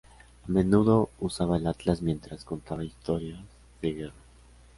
A menudo usaba el atlas mientras contaba historias de guerra.